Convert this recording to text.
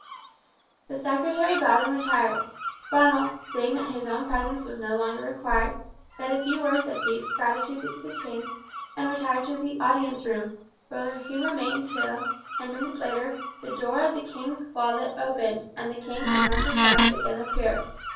The secretary bowed and retired. Ronald, seeing that his own presence was no longer required, said a few words of deep gratitude to the king and retired to the audience room, where he remained until, ten minutes later, the door of the king's closet opened, and the king and Marshal Saxe again appeared.